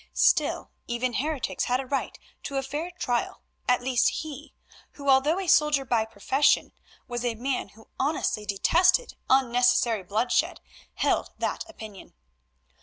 Still, even heretics had a right to a fair trial; at least he, who although a soldier by profession, was a man who honestly detested unnecessary bloodshed, held that opinion.